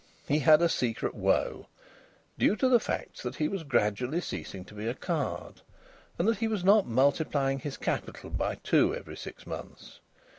He had a secret woe, due to the facts that he was gradually ceasing to be a card, and that he was not multiplying his capital by two every six months.